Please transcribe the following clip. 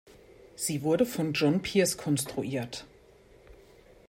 Sie wurde von John Pierce konstruiert.